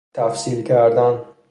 تفصیل کردن